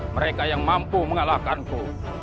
mereka yang mampu mengalahkanku